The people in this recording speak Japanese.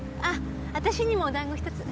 私にもお団子１つ。